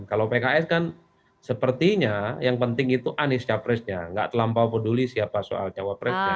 kalau pks kan sepertinya yang penting itu anies capresnya nggak terlampau peduli siapa soal cawapresnya